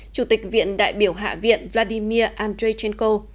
chủ tịch viện đại biểu hạ viện vladimir andreychenko